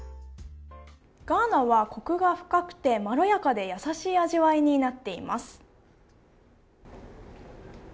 ガーナはコクが深くてまろやかでやさしい味わいになっています。